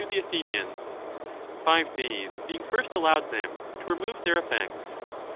35 the Athenians, five days being first allowed them to remove their effects.